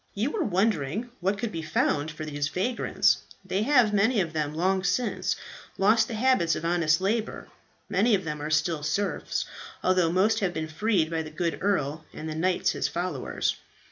You were wondering what could be found for these vagrants. They have many of them long since lost the habits of honest labour. Many of them are still serfs, although most have been freed by the good earl and the knights his followers.